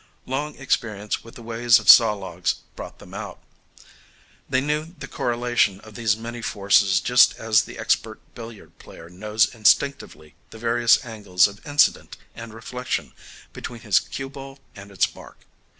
Long experience with the ways of saw logs brought them out. They knew the correlation of these many forces just as the expert billiard player knows instinctively the various angles of incident and reflection between his cue ball and its mark.